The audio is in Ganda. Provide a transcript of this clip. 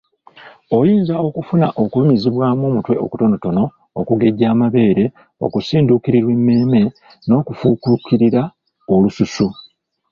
Oyinza okufuna okulumizibwamu omutwe okutonotono, okugejja amabeere, okusinduukirirwa emmeeme n’okufuukuukirira olususu.